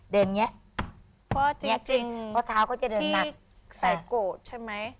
ที่ใส่โกดใช่ไหม